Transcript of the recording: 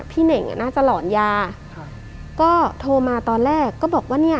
พี่เหน๋งอ่ะน่าจะหล่อนยาก็โทรมาตอนแรกก็บอกว่าเนี่ย